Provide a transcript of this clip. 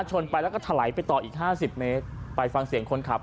ชนไปแล้วก็ถลายไปต่ออีกห้าสิบเมตรไปฟังเสียงคนขับ